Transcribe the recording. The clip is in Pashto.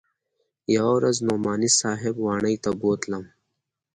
يوه ورځ نعماني صاحب واڼې ته بوتلم.